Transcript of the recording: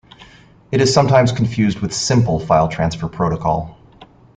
It is sometimes confused with Simple File Transfer Protocol.